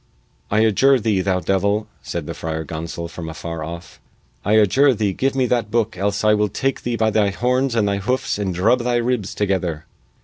"I adjure thee, thou devil," said the Friar Gonsol from afar off, "I adjure thee give me that booke else I will take thee by thy horns and hoofs and drub thy ribs together!"